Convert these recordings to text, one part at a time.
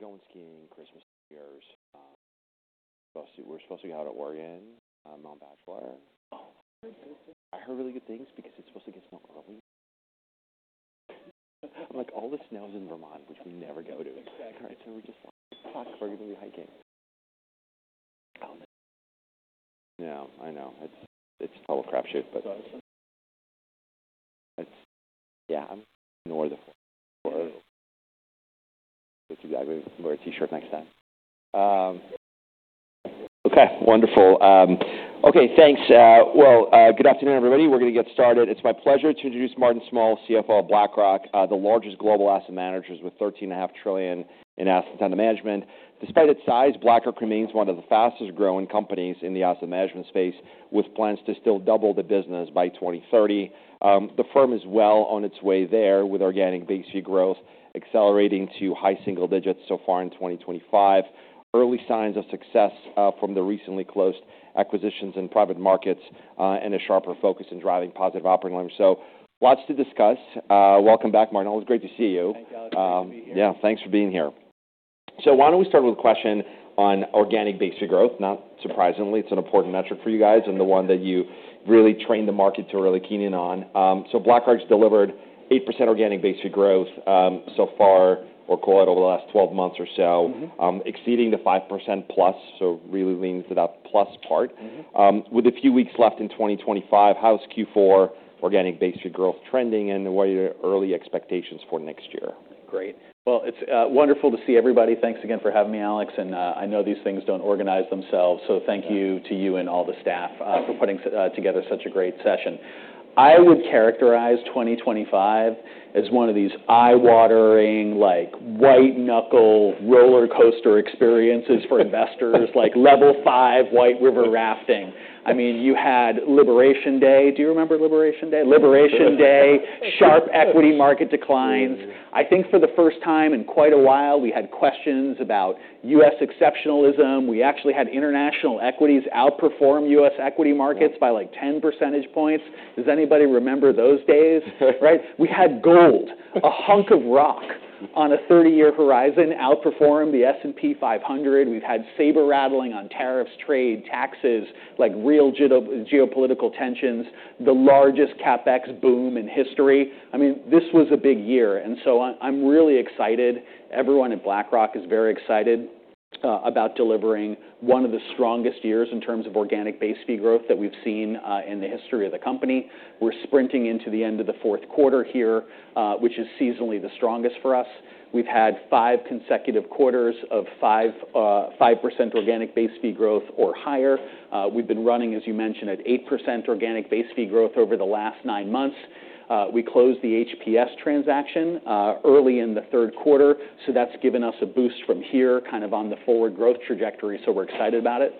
It's fun. Like, a lot's to talk about. It's been exciting. How've you been? I've been going skiing Christmas years. We're supposed to go out to Oregon, Mount Bachelor. Oh. I heard really good things because it's supposed to get snow early. I'm like, "All the snow's in Vermont, which we never go to. Exactly. All right, so we're just, like, fucked. We're gonna be hiking. Oh, no. No, I know. It's a total crapshoot, but. Sorry. yeah. Oh. or a T-shirt next time. Okay. Wonderful. Thanks. Good afternoon, everybody. We're gonna get started. It's my pleasure to introduce Martin Small, CFO of BlackRock, the largest global asset managers with $13.5 trillion in assets under management. Despite its size, BlackRock remains one of the fastest growing companies in the asset management space, with plans to still double the business by 2030. The firm is well on its way there with organic base fee growth accelerating to high single digits so far in 2025. Early signs of success from the recently closed acquisitions in private markets and a sharper focus in driving positive operating leverage. So lots to discuss. Welcome back, Martin. Always great to see you. Thank you. I'm glad to be here. Yeah. Thanks for being here. Why don't we start with a question on organic base fee growth? Not surprisingly, it's an important metric for you guys and the one that you really train the market to key in on. BlackRock's delivered 8% organic base fee growth so far, or call it over the last 12 months or so. Mm-hmm. exceeding the 5% plus, so really leaning to that plus part. Mm-hmm. With a few weeks left in 2025, how's Q4 organic base fee growth trending and what are your early expectations for next year? Great. It's wonderful to see everybody. Thanks again for having me, Alex. And I know these things don't organize themselves, so thank you to you and all the staff for putting together such a great session. I would characterize 2025 as one of these eye-watering, like, white-knuckle roller coaster experiences for investors, like level five whitewater rafting. I mean, you had Liberation Day. Do you remember Liberation Day? Oh, yeah. Liberation Day, sharp equity market declines. I think for the first time in quite a while, we had questions about U.S. exceptionalism. We actually had international equities outperform U.S. equity markets by, like, 10 percentage points. Does anybody remember those days? Right? We had gold, a hunk of rock on a 30-year horizon, outperform the S&P 500. We've had saber rattling on tariffs, trade, taxes, like real geopolitical tensions, the largest CapEx boom in history. I mean, this was a big year, and so I'm really excited. Everyone at BlackRock is very excited about delivering one of the strongest years in terms of organic base fee growth that we've seen, in the history of the company. We're sprinting into the end of the fourth quarter here, which is seasonally the strongest for us. We've had five consecutive quarters of five, 5% organic base fee growth or higher. We've been running, as you mentioned, at 8% organic base fee growth over the last nine months. We closed the HPS transaction early in the third quarter, so that's given us a boost from here, kind of on the forward growth trajectory, so we're excited about it.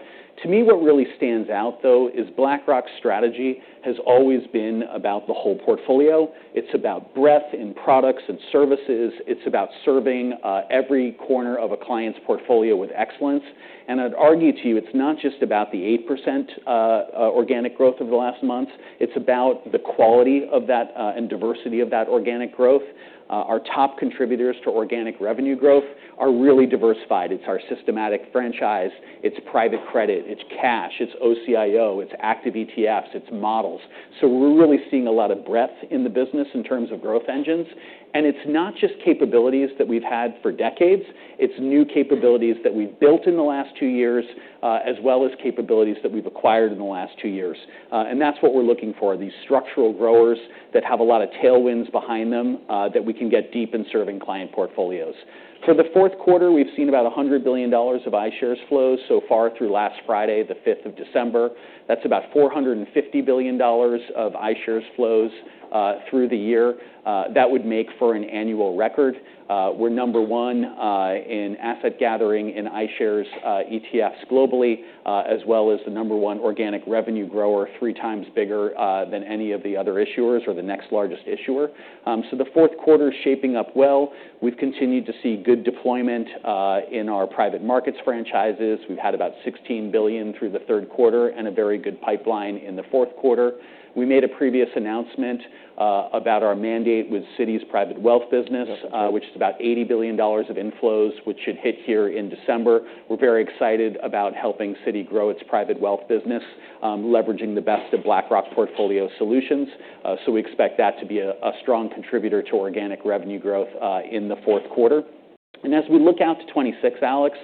To me, what really stands out, though, is BlackRock's strategy has always been about the whole portfolio. It's about breadth in products and services. It's about serving every corner of a client's portfolio with excellence. I'd argue to you it's not just about the 8% organic growth over the last months. It's about the quality of that and diversity of that organic growth. Our top contributors to organic revenue growth are really diversified. It's our systematic franchise. It's private credit. It's cash. It's OCIO. It's active ETFs. It's models. We're really seeing a lot of breadth in the business in terms of growth engines. It's not just capabilities that we've had for decades. It's new capabilities that we've built in the last two years, as well as capabilities that we've acquired in the last two years. That's what we're looking for: these structural growers that have a lot of tailwinds behind them, that we can get deep in serving client portfolios. For the fourth quarter, we've seen about $100 billion of iShares flows so far through last Friday, the 5th of December. That's about $450 billion of iShares flows through the year. That would make for an annual record. We're number one in asset gathering in iShares ETFs globally, as well as the number one organic revenue grower, three times bigger than any of the other issuers or the next largest issuer. So the fourth quarter's shaping up well. We've continued to see good deployment in our private markets franchises. We've had about $16 billion through the third quarter and a very good pipeline in the fourth quarter. We made a previous announcement about our mandate with Citi's private wealth business. Yes. Which is about $80 billion of inflows, which should hit here in December. We're very excited about helping Citi grow its private wealth business, leveraging the best of BlackRock portfolio solutions. So we expect that to be a strong contributor to organic revenue growth in the fourth quarter. As we look out to 2026, Alex,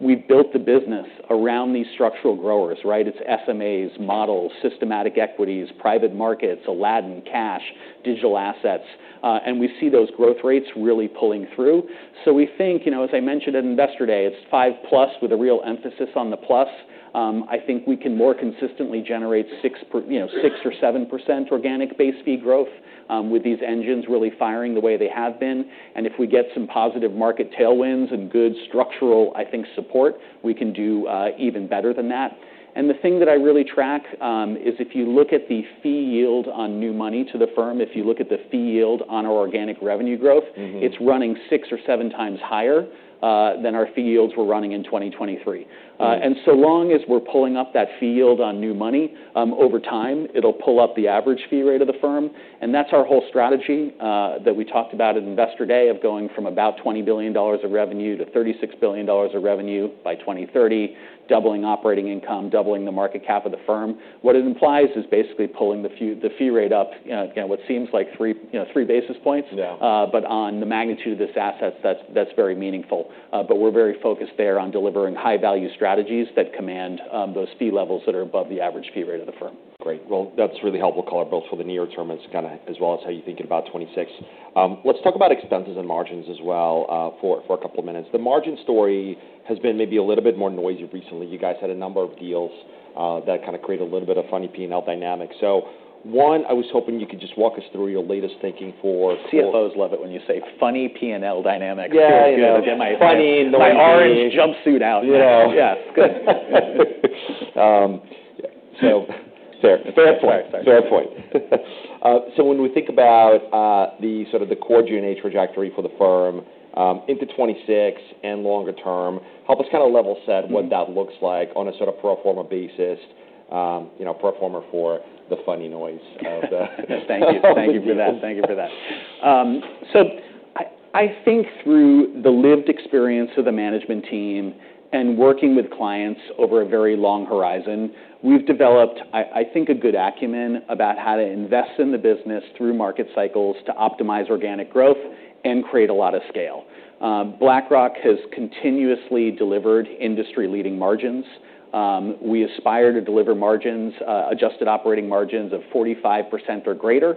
we built the business around these structural growers, right? It's SMAs, models, systematic equities, private markets, Aladdin, cash, digital assets. We see those growth rates really pulling through. So we think, you know, as I mentioned at Investor Day, it's five plus with a real emphasis on the plus. I think we can more consistently generate six per you know, 6% or 7% organic base fee growth, with these engines really firing the way they have been. If we get some positive market tailwinds and good structural, I think, support, we can do even better than that. The thing that I really track is if you look at the fee yield on new money to the firm, if you look at the fee yield on our organic revenue growth. Mm-hmm. It's running six or seven times higher than our fee yields were running in 2023. Wow. And so long as we're pulling up that fee yield on new money, over time, it'll pull up the average fee rate of the firm. And that's our whole strategy, that we talked about at Investor Day of going from about $20 billion of revenue to $36 billion of revenue by 2030, doubling operating income, doubling the market cap of the firm. What it implies is basically pulling the fee rate up, you know, again, what seems like three, you know, three basis points. Yeah. But on the magnitude of this asset, that's, that's very meaningful. But we're very focused there on delivering high-value strategies that command, those fee levels that are above the average fee rate of the firm. Great. Well, that's really helpful, color, both for the near term and kinda as well as how you think about 2026. Let's talk about expenses and margins as well, for a couple of minutes. The margin story has been maybe a little bit more noisy recently. You guys had a number of deals, that kinda created a little bit of funny P&L dynamic. So one, I was hoping you could just walk us through your latest thinking for CFOs. Yeah. Love it when you say funny P&L dynamic. Yeah. Yeah. Funny little orange. My orange jumpsuit out. You know. Yeah. Yeah. It's good. yeah. So fair. Fair point. Fair point. Fair point. So when we think about the sort of core G&A trajectory for the firm, into 2026 and longer term, help us kinda level set what that looks like on a sort of pro forma basis, you know, pro forma for the funny noise of the. Thank you. Thank you for that. Thank you for that. So I think through the lived experience of the management team and working with clients over a very long horizon, we've developed, I think, a good acumen about how to invest in the business through market cycles to optimize organic growth and create a lot of scale. BlackRock has continuously delivered industry-leading margins. We aspire to deliver margins, adjusted operating margins of 45% or greater,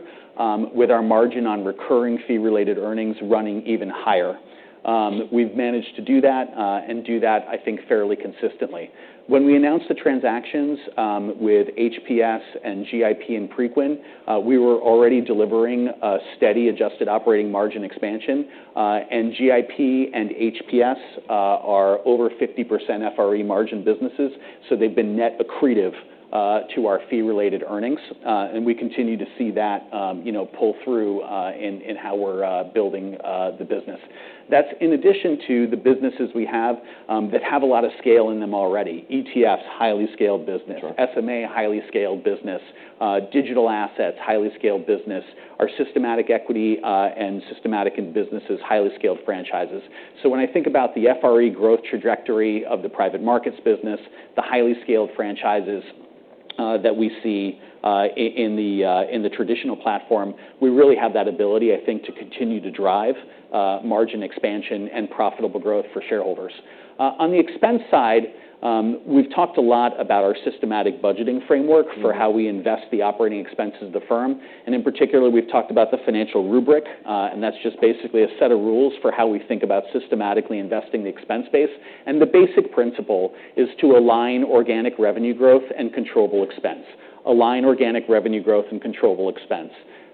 with our margin on recurring fee-related earnings running even higher. We've managed to do that, and do that, I think, fairly consistently. When we announced the transactions, with HPS and GIP and Preqin, we were already delivering a steady adjusted operating margin expansion. And GIP and HPS are over 50% FRE margin businesses, so they've been net accretive to our fee-related earnings. And we continue to see that, you know, pull through in how we're building the business. That's in addition to the businesses we have that have a lot of scale in them already: ETFs, highly scaled business. Sure. SMA, highly scaled business. Digital assets, highly scaled business. Our systematic equities and systematic businesses, highly scaled franchises. So when I think about the FRE growth trajectory of the private markets business, the highly scaled franchises that we see in the traditional platform, we really have that ability, I think, to continue to drive margin expansion and profitable growth for shareholders. On the expense side, we've talked a lot about our systematic budgeting framework for how we invest the operating expenses of the firm. In particular, we've talked about the financial rubric, and that's just basically a set of rules for how we think about systematically investing the expense base. The basic principle is to align organic revenue growth and controllable expense. Align organic revenue growth and controllable expense.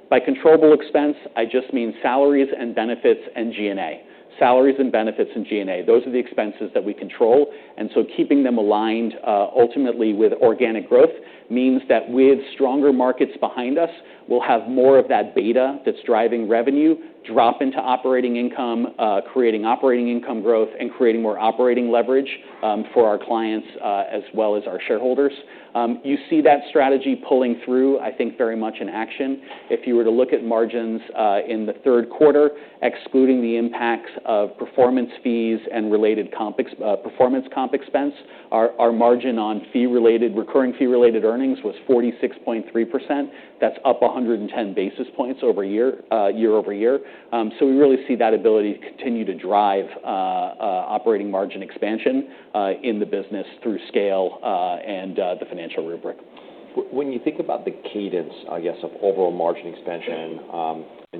By controllable expense, I just mean salaries and benefits and G&A. Salaries and benefits and G&A. Those are the expenses that we control. And so keeping them aligned, ultimately with organic growth means that with stronger markets behind us, we'll have more of that beta that's driving revenue, drop into operating income, creating operating income growth, and creating more operating leverage, for our clients, as well as our shareholders. You see that strategy pulling through, I think, very much in action. If you were to look at margins, in the third quarter, excluding the impacts of performance fees and related performance comp expense, our margin on fee-related recurring fee-related earnings was 46.3%. That's up 110 basis points over a year-over-year. So we really see that ability to continue to drive operating margin expansion, in the business through scale, and the financial rubric. When you think about the cadence, I guess, of overall margin expansion. Yeah.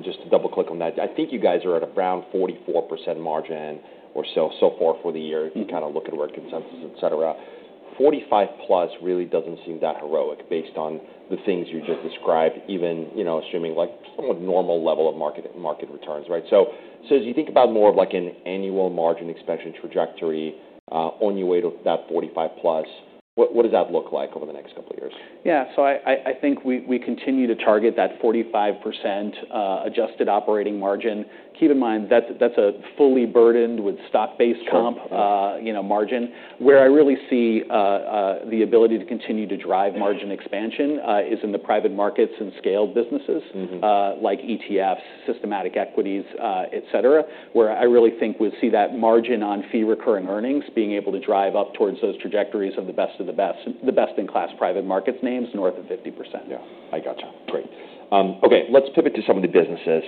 Just to double-click on that, I think you guys are at around 44% margin or so so far for the year. Mm-hmm. If you kinda look at where consensus, etc., 45 plus really doesn't seem that heroic based on the things you just described, even, you know, assuming, like, somewhat normal level of market returns, right? As you think about more of, like, an annual margin expansion trajectory on your way to that 45 plus, what does that look like over the next couple of years? Yeah. I think we continue to target that 45% Adjusted Operating Margin. Keep in mind that that's a fully burdened with stock-based comp. Comp. You know, margin. Where I really see the ability to continue to drive margin expansion is in the private markets and scaled businesses. Mm-hmm. like ETFs, systematic equities, etc., where I really think we see that margin on fee-related earnings being able to drive up towards those trajectories of the best of the best, the best-in-class private markets names north of 50%. Yeah. I gotcha. Great. Okay. Let's pivot to some of the businesses,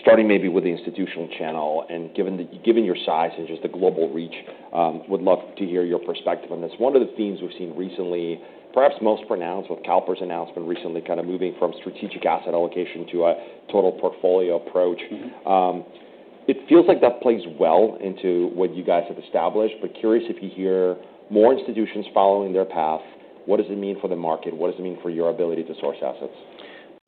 starting maybe with the institutional channel and given the, given your size and just the global reach. Would love to hear your perspective on this. One of the themes we've seen recently, perhaps most pronounced with CalPERS announcement recently, kinda moving from Strategic Asset Allocation to a Total Portfolio Approach. Mm-hmm. It feels like that plays well into what you guys have established, but curious if you hear more institutions following their path. What does it mean for the market? What does it mean for your ability to source assets?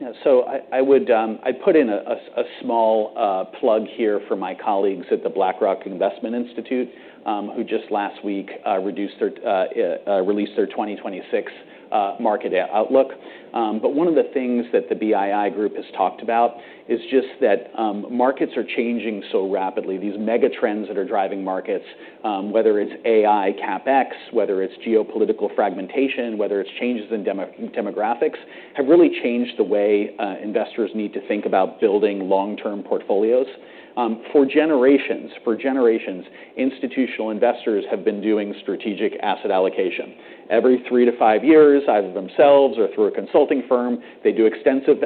Yeah. So I would, I'd put in a small plug here for my colleagues at the BlackRock Investment Institute, who just last week released their 2026 market outlook. But one of the things that the BII group has talked about is just that, markets are changing so rapidly. These mega trends that are driving markets, whether it's AI CapEx, whether it's geopolitical fragmentation, whether it's changes in demographics, have really changed the way investors need to think about building long-term portfolios. For generations, institutional investors have been doing Strategic Asset Allocation. Every three to five years, either themselves or through a consulting firm, they do extensive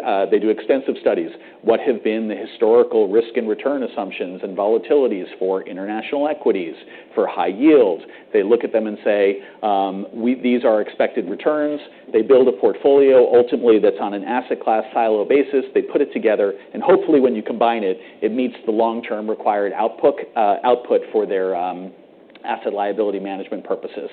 studies. What have been the historical risk and return assumptions and volatilities for international equities, for high yields? They look at them and say, "Well, these are expected returns." They build a portfolio ultimately that's on an asset class silo basis. They put it together, and hopefully when you combine it, it meets the long-term required output for their asset-liability management purposes.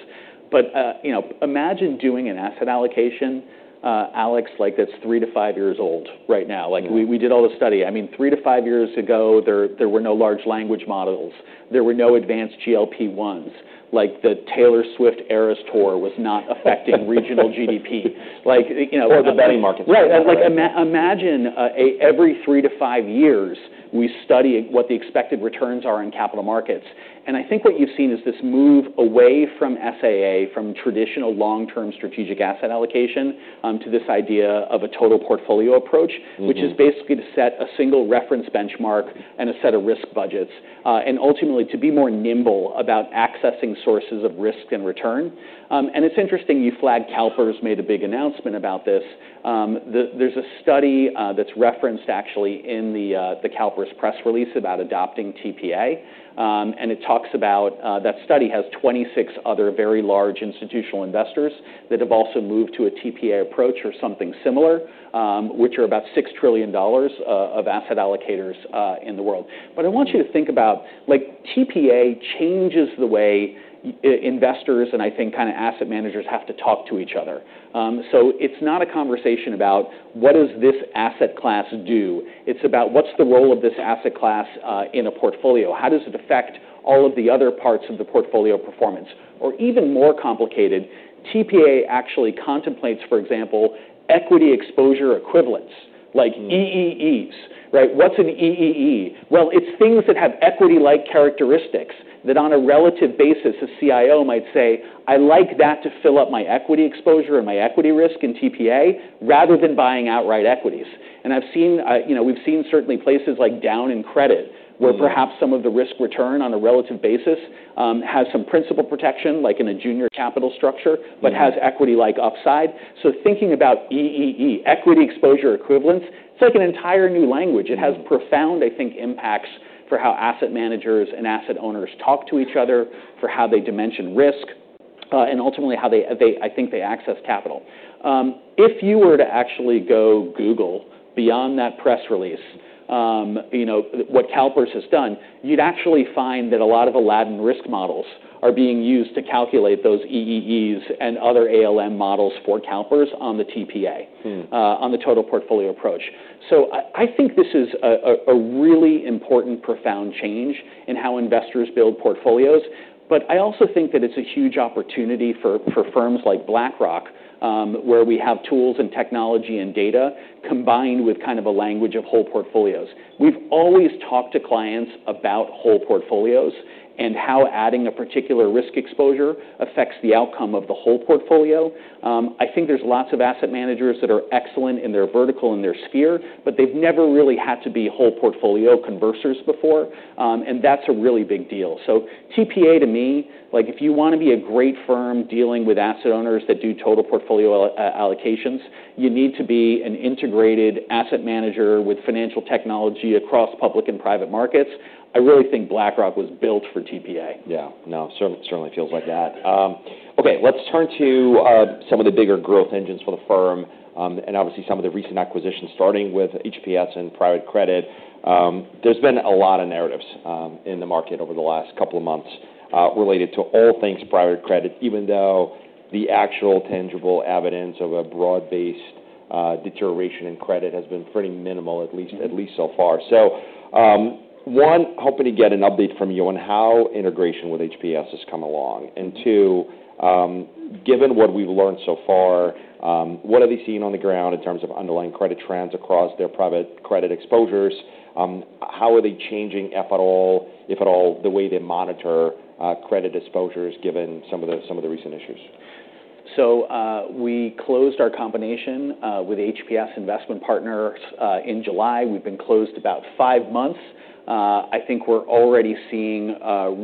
But, you know, imagine doing an asset allocation, Alex, like, that's three to five years old right now. Yeah. Like, we did all the study. I mean, three to five years ago, there were no large language models. There were no advanced GLP-1s. Like, the Taylor Swift Eras Tour was not affecting regional GDP. Like, you know. Or the betting markets. Right. And like, imagine, every three to five years, we study what the expected returns are in capital markets. And I think what you've seen is this move away from SAA, from traditional long-term Strategic Asset Allocation, to this idea of a Total Portfolio Approach. Mm-hmm. Which is basically to set a single reference benchmark and a set of risk budgets, and ultimately to be more nimble about accessing sources of risk and return. And it's interesting you flagged CalPERS made a big announcement about this. There's a study that's referenced actually in the CalPERS press release about adopting TPA. And it talks about that study has 26 other very large institutional investors that have also moved to a TPA approach or something similar, which are about $6 trillion of asset allocators in the world. But I want you to think about, like, TPA changes the way investors and I think kinda asset managers have to talk to each other, so it's not a conversation about what does this asset class do. It's about what's the role of this asset class in a portfolio. How does it affect all of the other parts of the portfolio performance? Or even more complicated, TPA actually contemplates, for example, Equity Exposure Equivalents, like EEEs, right? What's an EEE? Well, it's things that have equity-like characteristics that on a relative basis, a CIO might say, "I like that to fill up my equity exposure and my equity risk in TPA," rather than buying outright equities. And I've seen, you know, we've seen certainly places like down in credit where. Mm-hmm. Perhaps some of the risk-return on a relative basis has some principal protection, like in a junior capital structure. Mm-hmm. But has equity-like upside. So thinking about EEE, Equity Exposure Equivalents, it's like an entire new language. It has profound, I think, impacts for how asset managers and asset owners talk to each other, for how they dimension risk, and ultimately how they, I think, access capital. If you were to actually go Google beyond that press release, you know, what CalPERS has done, you'd actually find that a lot of Aladdin risk models are being used to calculate those EEEs and other ALM models for CalPERS on the TPA, on the Total Portfolio Approach. So I think this is a really important, profound change in how investors build portfolios. But I also think that it's a huge opportunity for firms like BlackRock, where we have tools and technology and data combined with kind of a language of whole portfolios. We've always talked to clients about whole portfolios and how adding a particular risk exposure affects the outcome of the whole portfolio. I think there's lots of asset managers that are excellent in their vertical, in their sphere, but they've never really had to be whole portfolio conversers before, and that's a really big deal. TPA to me, like, if you wanna be a great firm dealing with asset owners that do total portfolio allocations, you need to be an integrated asset manager with financial technology across public and private markets. I really think BlackRock was built for TPA. Yeah. No, certainly feels like that. Okay. Let's turn to some of the bigger growth engines for the firm, and obviously some of the recent acquisitions starting with HPS and private credit. There's been a lot of narratives in the market over the last couple of months related to all things private credit, even though the actual tangible evidence of a broad-based deterioration in credit has been pretty minimal, at least so far. So, one, hoping to get an update from you on how integration with HPS has come along. And two, given what we've learned so far, what are they seeing on the ground in terms of underlying credit trends across their private credit exposures? How are they changing, if at all, the way they monitor credit exposures given some of the recent issues? So, we closed our combination with HPS Investment Partners in July. We've been closed about five months. I think we're already seeing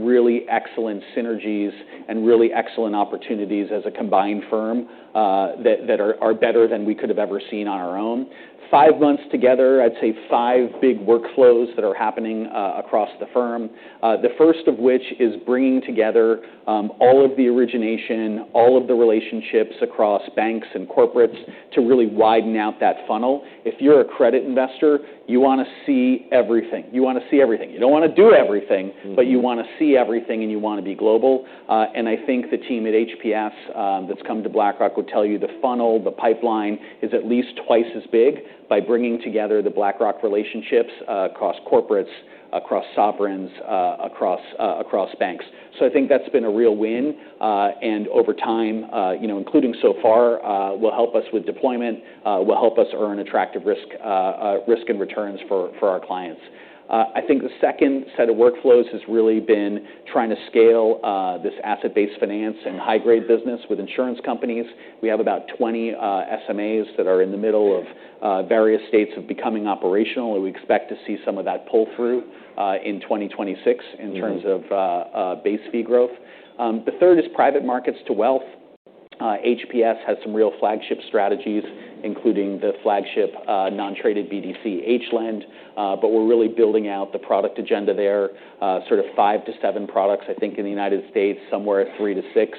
really excellent synergies and really excellent opportunities as a combined firm that are better than we could have ever seen on our own. Five months together, I'd say five big workflows that are happening across the firm. The first of which is bringing together all of the origination, all of the relationships across banks and corporates to really widen out that funnel. If you're a credit investor, you wanna see everything. You wanna see everything. You don't wanna do everything. Mm-hmm. But you wanna see everything, and you wanna be global. And I think the team at HPS, that's come to BlackRock would tell you the funnel, the pipeline is at least twice as big by bringing together the BlackRock relationships, across corporates, across sovereigns, across banks. So I think that's been a real win. And over time, you know, including so far, will help us with deployment, will help us earn attractive risk and returns for our clients. I think the second set of workflows has really been trying to scale this asset-based finance and high-grade business with insurance companies. We have about 20 SMAs that are in the middle of various states of becoming operational, and we expect to see some of that pull through in 2026 in terms of base fee growth. The third is private markets to wealth. HPS has some real flagship strategies, including the flagship, non-traded BDC HLEND, but we're really building out the product agenda there, sort of five to seven products, I think, in the United States, somewhere three to six,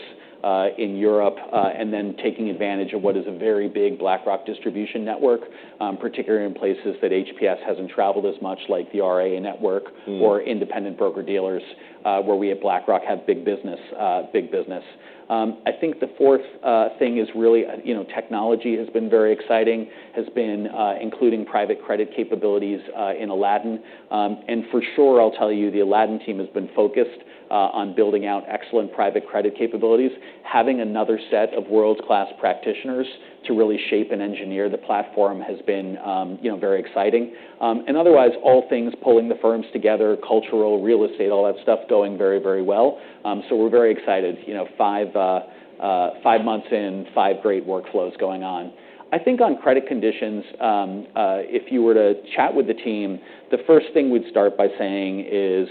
in Europe, and then taking advantage of what is a very big BlackRock distribution network, particularly in places that HPS hasn't traveled as much, like the RIA network. Mm-hmm. Or independent broker-dealers, where we at BlackRock have big business, big business. I think the fourth thing is really, you know, technology has been very exciting, including private credit capabilities in Aladdin. And for sure, I'll tell you, the Aladdin team has been focused on building out excellent private credit capabilities. Having another set of world-class practitioners to really shape and engineer the platform has been, you know, very exciting. And otherwise, all things pulling the firms together, cultural, real estate, all that stuff going very, very well. So we're very excited, you know, five months in, five great workflows going on. I think on credit conditions, if you were to chat with the team, the first thing we'd start by saying is,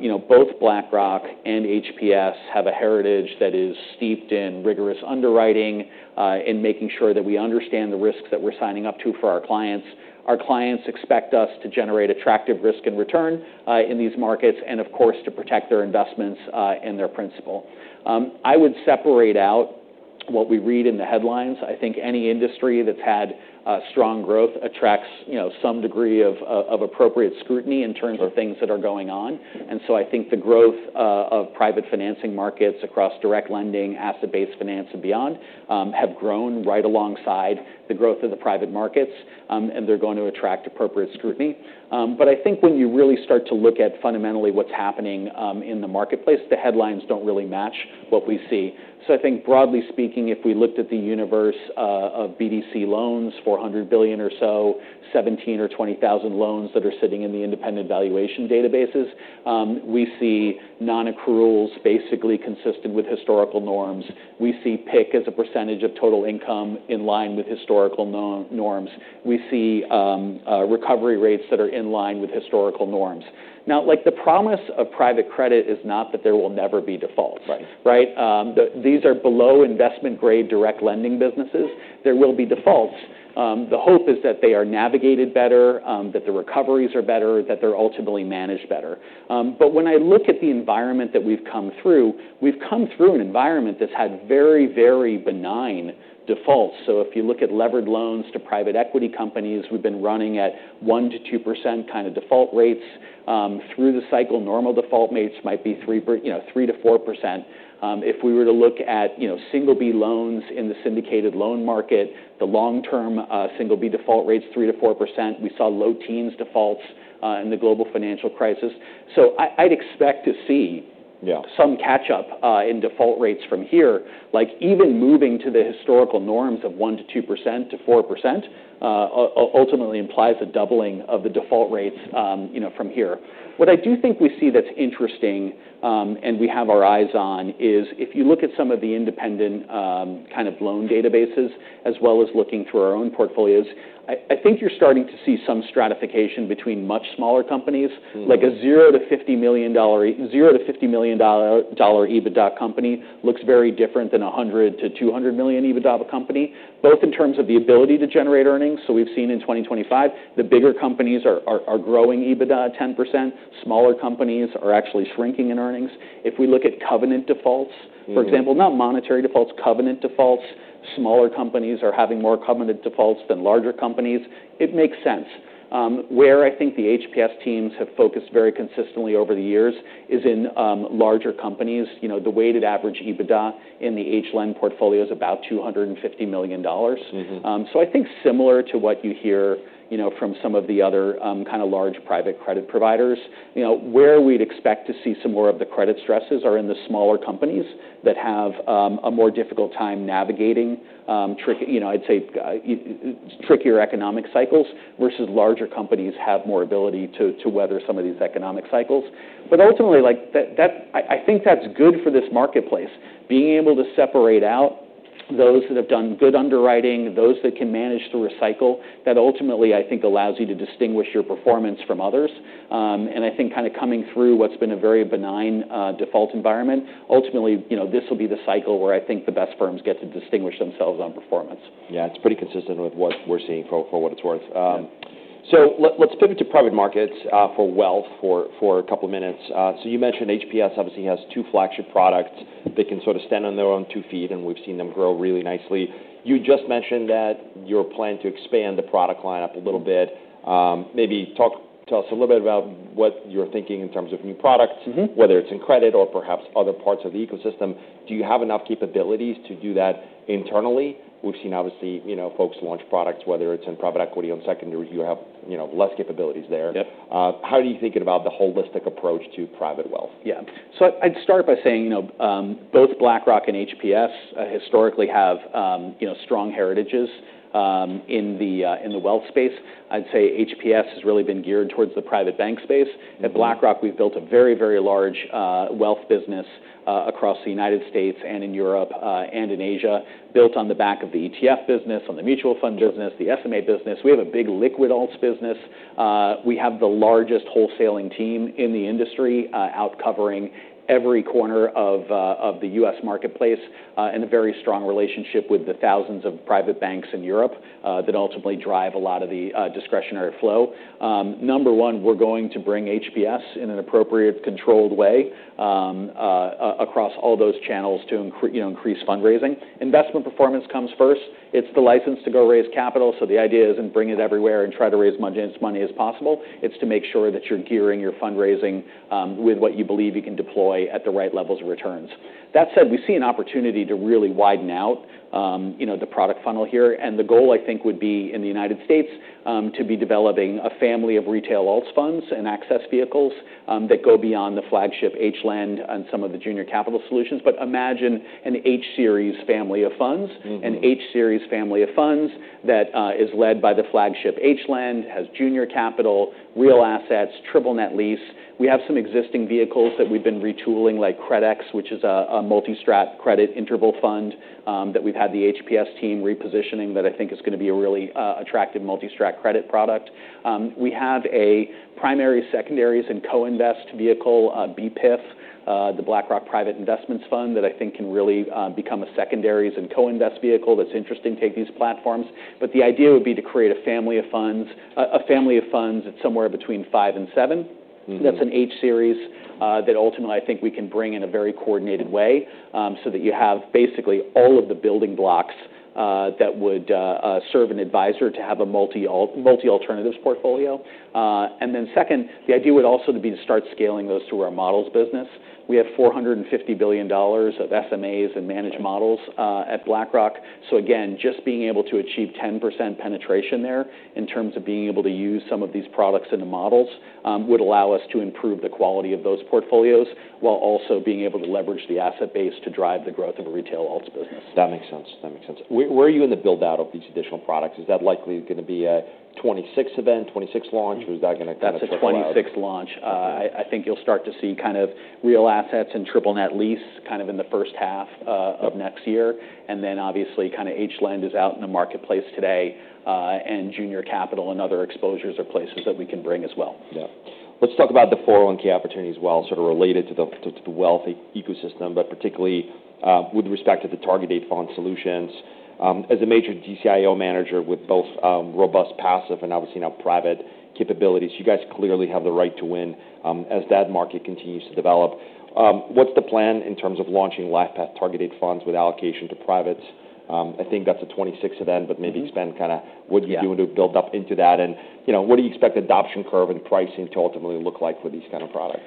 you know, both BlackRock and HPS have a heritage that is steeped in rigorous underwriting, in making sure that we understand the risks that we're signing up to for our clients. Our clients expect us to generate attractive risk and return, in these markets, and of course, to protect their investments, and their principal. I would separate out what we read in the headlines. I think any industry that's had strong growth attracts, you know, some degree of appropriate scrutiny in terms of things that are going on. And so I think the growth, of private financing markets across direct lending, asset-based finance, and beyond, have grown right alongside the growth of the private markets, and they're going to attract appropriate scrutiny. But I think when you really start to look at fundamentally what's happening in the marketplace, the headlines don't really match what we see. So I think broadly speaking, if we looked at the universe of BDC loans, $400 billion or so, 17 or 20 thousand loans that are sitting in the independent valuation databases, we see non-accruals basically consistent with historical norms. We see PIK as a percentage of total income in line with historical norms. We see recovery rates that are in line with historical norms. Now, like, the promise of private credit is not that there will never be defaults. Right. Right? These are below investment-grade direct lending businesses. There will be defaults. The hope is that they are navigated better, that the recoveries are better, that they're ultimately managed better, but when I look at the environment that we've come through, we've come through an environment that's had very, very benign defaults, so if you look at levered loans to private equity companies, we've been running at 1%-2% kinda default rates. Through the cycle, normal default rates might be 3%, you know, 3%-4%. If we were to look at, you know, single-B loans in the syndicated loan market, the long-term single-B default rates 3%-4%. We saw low teens defaults in the global financial crisis, so I'd expect to see. Yeah. Some catch-up in default rates from here. Like, even moving to the historical norms of 1%- 2%-4%, ultimately implies a doubling of the default rates, you know, from here. What I do think we see that's interesting, and we have our eyes on is if you look at some of the independent, kind of loan databases as well as looking through our own portfolios, I think you're starting to see some stratification between much smaller companies. Mm-hmm. Like a $0-$50 million EBITDA company looks very different than a $100-$200 million EBITDA company, both in terms of the ability to generate earnings. So we've seen in 2025, the bigger companies are growing EBITDA 10%. Smaller companies are actually shrinking in earnings. If we look at covenant defaults. Mm-hmm. For example, not monetary defaults, covenant defaults. Smaller companies are having more covenant defaults than larger companies. It makes sense. Where I think the HPS teams have focused very consistently over the years is in larger companies. You know, the weighted average EBITDA in the HLEND portfolio is about $250 million. Mm-hmm. I think similar to what you hear, you know, from some of the other, kinda large private credit providers. You know, where we'd expect to see some more of the credit stresses are in the smaller companies that have a more difficult time navigating trickier economic cycles versus larger companies have more ability to weather some of these economic cycles. But ultimately, like, that I think that's good for this marketplace, being able to separate out those that have done good underwriting, those that can manage to recycle, that ultimately, I think, allows you to distinguish your performance from others. I think kinda coming through what's been a very benign default environment, ultimately, you know, this will be the cycle where I think the best firms get to distinguish themselves on performance. Yeah. It's pretty consistent with what we're seeing for what it's worth. Yeah. Let's pivot to private markets for wealth for a couple of minutes. You mentioned HPS obviously has two flagship products that can sort of stand on their own two feet, and we've seen them grow really nicely. You just mentioned that your plan to expand the product lineup a little bit. Maybe talk to us a little bit about what you're thinking in terms of new products. Mm-hmm. Whether it's in credit or perhaps other parts of the ecosystem. Do you have enough capabilities to do that internally? We've seen, obviously, you know, folks launch products, whether it's in private equity or in secondary. You have, you know, less capabilities there. Yep. How are you thinking about the holistic approach to private wealth? Yeah. So I'd start by saying, you know, both BlackRock and HPS historically have, you know, strong heritages in the wealth space. I'd say HPS has really been geared towards the private bank space. At BlackRock, we've built a very, very large wealth business across the United States and in Europe and in Asia, built on the back of the ETF business, on the mutual fund business. Sure. The SMA business. We have a big liquid alts business. We have the largest wholesaling team in the industry, out covering every corner of the U.S. marketplace, and a very strong relationship with the thousands of private banks in Europe, that ultimately drive a lot of the discretionary flow. Number one, we're going to bring HPS in an appropriate controlled way, across all those channels to you know, increase fundraising. Investment performance comes first. It's the license to go raise capital. So the idea isn't bring it everywhere and try to raise as much money as possible. It's to make sure that you're gearing your fundraising, with what you believe you can deploy at the right levels of returns. That said, we see an opportunity to really widen out, you know, the product funnel here. And the goal, I think, would be in the United States, to be developing a family of retail alts funds and access vehicles, that go beyond the flagship HLEND and some of the junior capital solutions. But imagine an H series family of funds. Mm-hmm. An H series family of funds that is led by the flagship HLEND, has junior capital, real assets, triple net lease. We have some existing vehicles that we've been retooling, like CREDX, which is a multi-strategy credit interval fund, that we've had the HPS team repositioning that I think is gonna be a really attractive multi-strategy credit product. We have a primary secondaries and co-invest vehicle, BPIF, the BlackRock Private Investments Fund that I think can really become a secondaries and co-invest vehicle that's interesting to take these platforms. But the idea would be to create a family of funds, a family of funds at somewhere between five and seven. Mm-hmm. That's an H series, that ultimately I think we can bring in a very coordinated way, so that you have basically all of the building blocks, that would serve an advisor to have a multi-alt multi-alternatives portfolio, and then second, the idea would also be to start scaling those through our models business. We have $450 billion of SMAs and managed models at BlackRock. So again, just being able to achieve 10% penetration there in terms of being able to use some of these products in the models would allow us to improve the quality of those portfolios while also being able to leverage the asset base to drive the growth of a retail alts business. That makes sense. That makes sense. Where are you in the build-out of these additional products? Is that likely gonna be a 2026 event, 2026 launch? Or is that gonna kinda start? That's a 2026 launch. I think you'll start to see kind of real assets and triple net lease kind of in the first half of next year. And then obviously kinda HLEND is out in the marketplace today, and junior capital and other exposures are places that we can bring as well. Yeah. Let's talk about the 401(k) opportunities while sort of related to the, to the wealth ecosystem, but particularly, with respect to the target date fund solutions. As a major DCIO manager with both, robust passive and obviously now private capabilities, you guys clearly have the right to win, as that market continues to develop. What's the plan in terms of launching LifePath target date funds with allocation to privates? I think that's a 2026 event, but maybe spend kinda what you doing to build up into that. And, you know, what do you expect adoption curve and pricing to ultimately look like for these kinda products?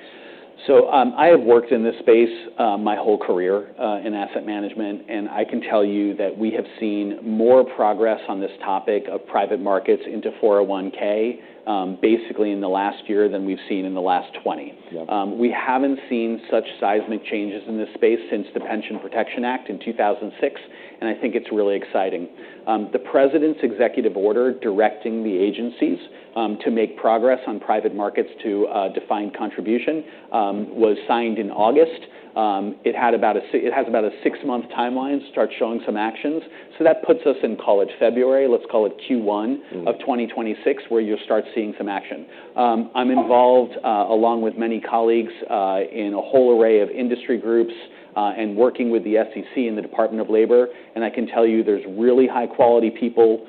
I have worked in this space, my whole career, in asset management, and I can tell you that we have seen more progress on this topic of private markets into 401(k), basically in the last year than we've seen in the last 20. Yeah. We haven't seen such seismic changes in this space since the Pension Protection Act in 2006, and I think it's really exciting. The president's executive order directing the agencies to make progress on private markets to defined contribution was signed in August. It has about a six-month timeline to start showing some actions. So that puts us in call it February. Let's call it Q1. Mm-hmm. Of 2026 where you'll start seeing some action. I'm involved, along with many colleagues, in a whole array of industry groups, and working with the SEC and the Department of Labor, and I can tell you there's really high-quality people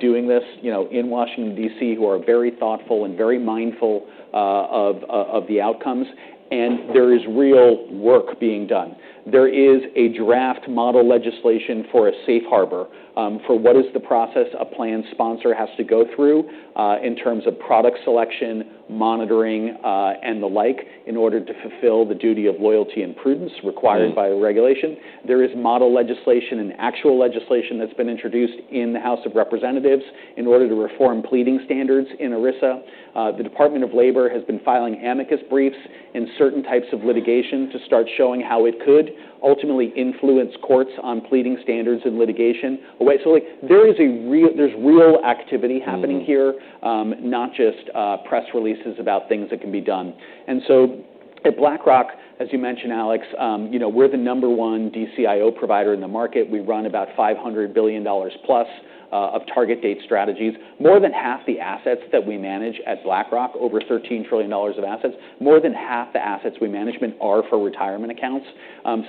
doing this, you know, in Washington, D.C., who are very thoughtful and very mindful of the outcomes, and there is real work being done. There is a draft model legislation for a safe harbor for what is the process a plan sponsor has to go through in terms of product selection, monitoring, and the like in order to fulfill the duty of loyalty and prudence required by the regulation. Sure. There is model legislation and actual legislation that's been introduced in the House of Representatives in order to reform pleading standards in ERISA. The Department of Labor has been filing amicus briefs and certain types of litigation to start showing how it could ultimately influence courts on pleading standards and litigation. So like, there is real activity happening here. Sure. Not just press releases about things that can be done. And so at BlackRock, as you mentioned, Alex, you know, we're the number one DCIO provider in the market. We run about $500 billion plus of target date strategies. More than half the assets that we manage at BlackRock, over $13 trillion of assets, more than half the assets we manage are for retirement accounts.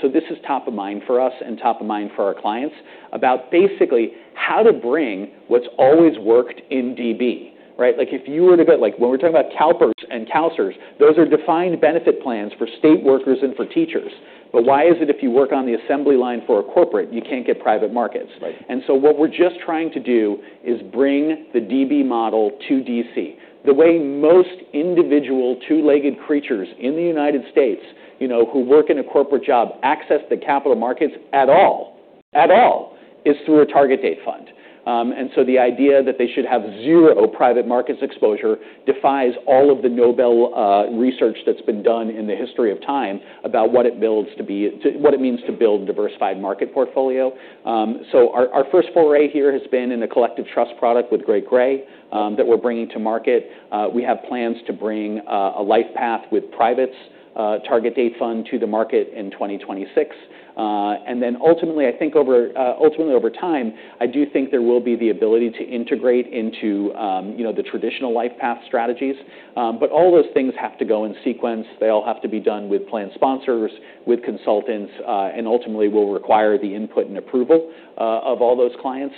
So this is top of mind for us and top of mind for our clients about basically how to bring what's always worked in DB, right? Like, if you were to go like, when we're talking about CalPERS and CalSTRS, those are defined benefit plans for state workers and for teachers. But why is it if you work on the assembly line for a corporate, you can't get private markets? Right. So what we're just trying to do is bring the DB model to DC. The way most individual two-legged creatures in the United States, you know, who work in a corporate job, access the capital markets at all is through a target date fund. The idea that they should have zero private markets exposure defies all of the Nobel research that's been done in the history of time about what it builds to be to what it means to build a diversified market portfolio. Our first foray here has been in a collective trust product with Great Gray that we're bringing to market. We have plans to bring a LifePath with privates target date fund to the market in 2026. And then ultimately, I think over time, I do think there will be the ability to integrate into, you know, the traditional life path strategies. But all those things have to go in sequence. They all have to be done with plan sponsors, with consultants, and ultimately will require the input and approval of all those clients.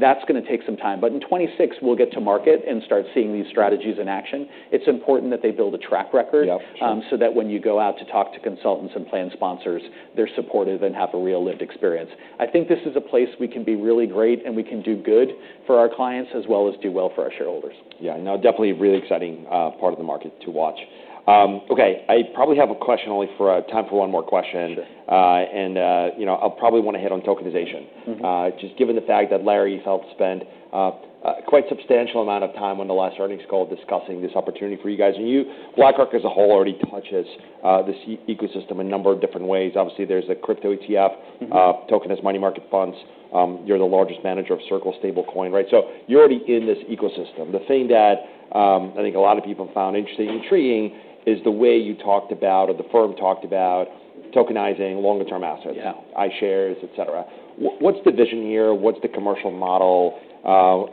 That's gonna take some time. But in 2026, we'll get to market and start seeing these strategies in action. It's important that they build a track record. Yeah. So that when you go out to talk to consultants and plan sponsors, they're supportive and have a real lived experience. I think this is a place we can be really great and we can do good for our clients as well as do well for our shareholders. Yeah. And now definitely a really exciting part of the market to watch. Okay. I probably have only time for one more question. Sure. And, you know, I'll probably wanna hit on tokenization. Mm-hmm. Just given the fact that Larry Fink spent quite a substantial amount of time on the last earnings call discussing this opportunity for you guys. And you, BlackRock as a whole, already touch this ecosystem a number of different ways. Obviously, there is a crypto ETF. Mm-hmm. Tokenized money market funds. You're the largest manager of Circle stablecoin, right? So you're already in this ecosystem. The thing that, I think a lot of people found interesting and intriguing is the way you talked about, or the firm talked about, tokenizing longer-term assets. Yeah. iShares, et cetera. What's the vision here? What's the commercial model?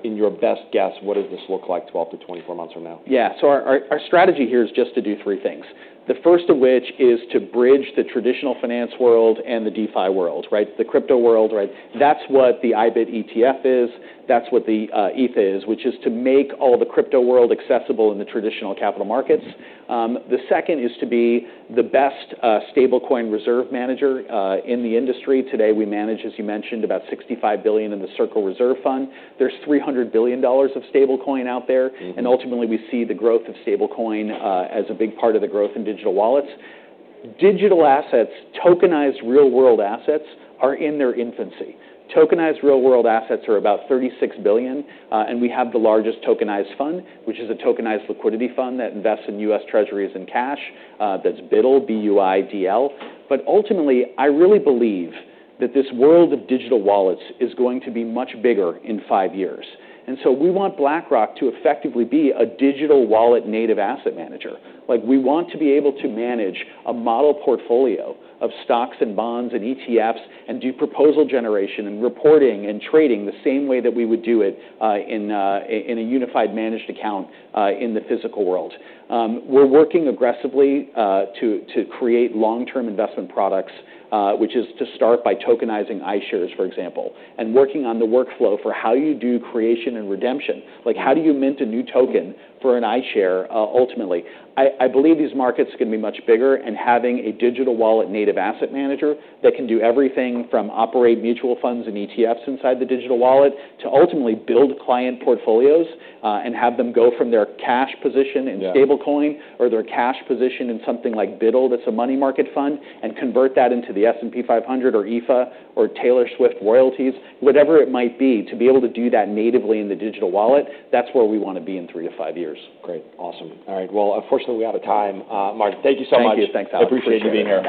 In your best guess, what does this look like 12 to 24 months from now? Yeah. Our strategy here is just to do three things. The first of which is to bridge the traditional finance world and the DeFi world, right? The crypto world, right? That's what the IBIT ETF is. That's what the ETH is, which is to make all the crypto world accessible in the traditional capital markets. The second is to be the best stablecoin reserve manager in the industry. Today we manage, as you mentioned, about $65 billion in the Circle Reserve Fund. There's $300 billion of stablecoin out there. Mm-hmm. Ultimately we see the growth of stablecoin, as a big part of the growth in digital wallets. Digital assets, tokenized real-world assets are in their infancy. Tokenized real-world assets are about $36 billion, and we have the largest tokenized fund, which is a tokenized liquidity fund that invests in U.S. Treasuries and cash, that's BUIDL, B-U-I-D-L. But ultimately, I really believe that this world of digital wallets is going to be much bigger in five years. And so we want BlackRock to effectively be a digital wallet native asset manager. Like, we want to be able to manage a model portfolio of stocks and bonds and ETFs and do proposal generation and reporting and trading the same way that we would do it, in a unified managed account, in the physical world. We're working aggressively to create long-term investment products, which is to start by tokenizing iShares, for example, and working on the workflow for how you do creation and redemption. Like, how do you mint a new token for an iShares, ultimately? I believe these markets are gonna be much bigger and having a digital wallet native asset manager that can do everything from operate mutual funds and ETFs inside the digital wallet to ultimately build client portfolios, and have them go from their cash position in stablecoin. Yeah. Or their cash position in something like BUIDL that's a money market fund and convert that into the S&P 500 or ETHA or Taylor Swift royalties, whatever it might be, to be able to do that natively in the digital wallet. That's where we wanna be in three to five years. Great. Awesome. All right. Well, unfortunately, we're out of time. Martin, thank you so much. Thank you. Thanks, Alex. I appreciate you being here.